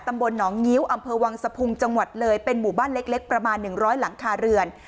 ตัมบลน๋องเหนี้ยวอำเภอวังสะพุงจังหวัดเลยเป็นหมู่บ้านเล็กประมาณหนึ่งร้อยหลังคาเรือน